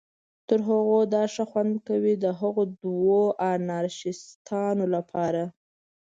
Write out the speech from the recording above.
تر هغو دا ښه خوند کوي، د هغه دوو انارشیستانو لپاره.